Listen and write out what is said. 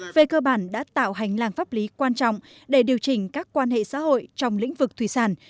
về cơ bản đã tạo hành lang pháp lý quan trọng để điều chỉnh các quan hệ xã hội trong lĩnh vực thủy sản